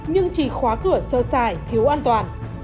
nhưng chỉ khóa cửa sơ xài thiếu an toàn